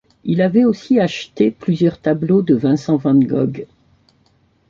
Il avait aussi acheté plusieurs tableaux de Vincent van Gogh.